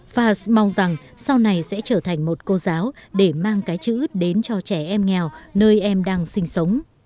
fars mong rằng sau này sẽ trở thành một cô giáo để mang cái chữ đến cho trẻ em nghèo nơi em đang sinh sống